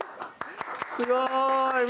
すごい。